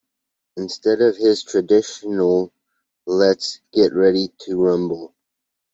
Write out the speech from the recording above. Instead of his traditional Let's get ready to rumble!